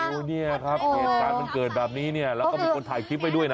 เนี่ยครับเหตุการณ์มันเกิดแบบนี้เนี่ยแล้วก็มีคนถ่ายคลิปไว้ด้วยนะ